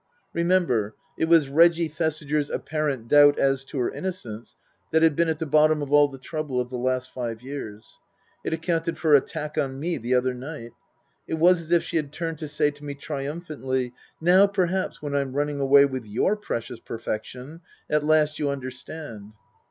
Remember, it was Reggie Thesiger's apparent doubt as to her innocence that had been at the bottom of all the trouble of the last five years. It accounted for her attack on me the other night. It was as if she had turned to say to me triumphantly, " Now, perhaps, when I'm running away with your precious perfection, at last you understand